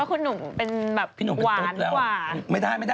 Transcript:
เค้าคุณหนุ่มเป็นแบบหวานกว่า